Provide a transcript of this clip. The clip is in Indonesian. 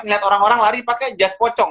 ngelihat orang orang lari pakai jas pocong